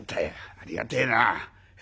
ありがてえな。